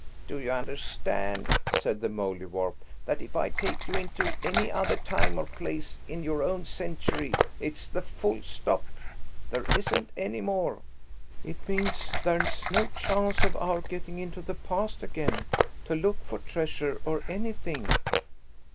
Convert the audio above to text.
"Do you understand," said the Mouldiwarp, "that if I take you into any other time or place in your own century, it's the full stop? There isn't any more." "It means there's no chance of our getting into the past again, to look for treasure or anything?"